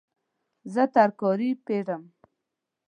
زه ترکاري پیرم